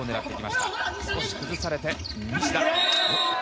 少し崩されて西田。